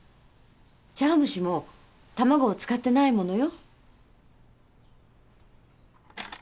茶碗蒸しも卵を使ってないものよ。